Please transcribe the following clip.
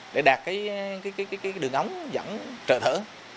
để đạt đường ống dẫn trở thở